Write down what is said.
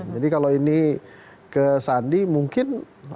jadi kalau ini ke sandi mungkin